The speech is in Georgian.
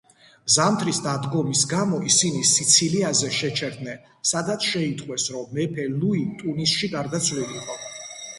ზამთრის დადგომის გამო ისინი სიცილიაზე შეჩერდნენ, სადაც შეიტყვეს, რომ მეფე ლუი ტუნისში გარდაცვლილიყო.